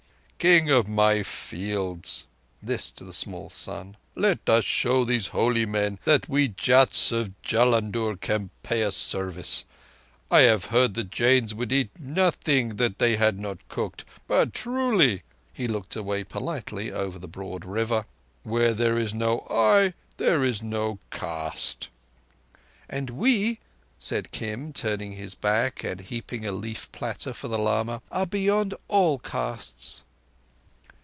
King of my fields,"—this to the small son—"let us show these holy men that we Jats of Jullundur can pay a service ... I had heard the Jains would eat nothing that they had not cooked, but truly"—he looked away politely over the broad river—"where there is no eye there is no caste." "And we," said Kim, turning his back and heaping a leafplatter for the lama, "are beyond all castes."